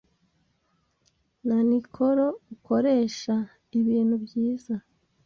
Na Niccolo ukoresha ibintu byiza